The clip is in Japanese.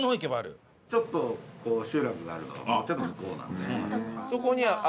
ちょっと集落があるのがもうちょっと向こうなんで。